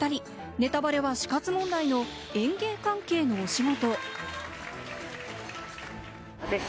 ネタバレは死活問題の演芸関係のお仕事。